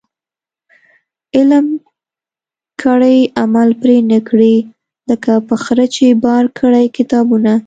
علم کړي عمل پري نه کړي ، لکه په خره چي بار کړي کتابونه